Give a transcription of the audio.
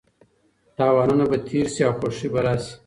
تاوانونه به تېر شي او خوښي به راشي.